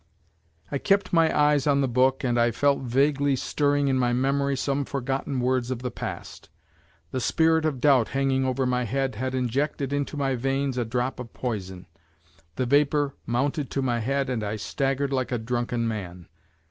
I kept my eyes on the book and I felt vaguely stirring in my memory some forgotten words of the past. The spirit of doubt hanging over my head had injected into my veins a drop of poison; the vapor mounted to my head and I staggered like a drunken man.